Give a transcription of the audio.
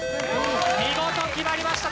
見事決まりました！